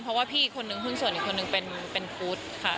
เพราะว่าพี่อีกคนนึงหุ้นส่วนอีกคนนึงเป็นพุทธค่ะ